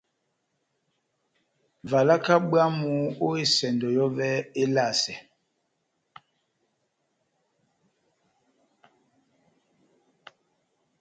Valaka bwámu ó esɛndɔ yɔvɛ elasɛ.